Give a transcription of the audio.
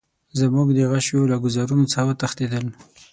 زموږ د غشیو له ګوزارونو څخه وتښتېدل.